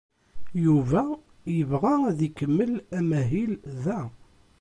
Yuba yebɣa ad ikemmel amahil da.